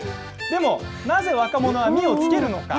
でもなぜ若者はみを付けるのか。